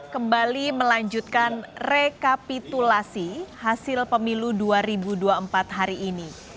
kembali melanjutkan rekapitulasi hasil pemilu dua ribu dua puluh empat hari ini